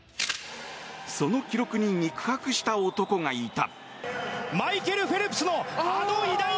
その記録に肉薄した男がいた。